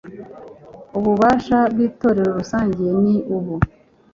Ububasha bw inteko rusange ni ubu